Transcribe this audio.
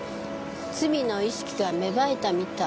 罪の意識が芽生えたみたい。